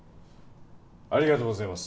ありがとうございます。